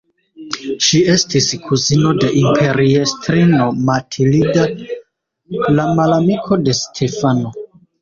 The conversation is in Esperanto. Ŝi estis kuzino de imperiestrino Matilda, la malamiko de Stefano.